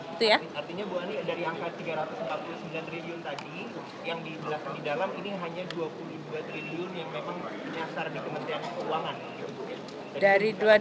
artinya bu ani dari angka rp tiga ratus empat puluh sembilan triliun tadi yang dijelaskan di dalam ini hanya dua puluh dua triliun yang memang menyasar di kementerian keuangan